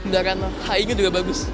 dara kanto haingnya juga bagus